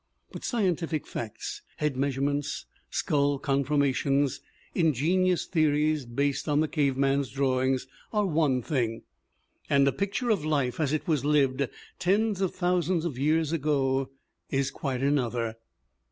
But scientific facts, head measure ments, skull conformations, ingenious theories based on the cave man's drawings, are one thing and a pic ture of life as it was lived tens of thousands of years ago is quite another.